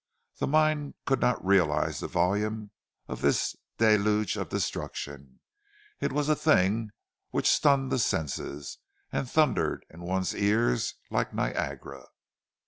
The mind could not realize the volume of this deluge of destruction—it was a thing which stunned the senses, and thundered in one's ears like Niagara.